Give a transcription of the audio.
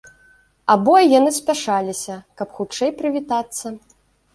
Абое яны спяшаліся, каб хутчэй прывітацца.